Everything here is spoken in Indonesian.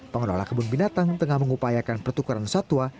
pengelola kebun binatang tengah mengupayakan pertukaran satwa